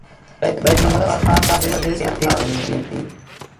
بیت المقدس ښار ته ډیری صوفیان راغلي دي.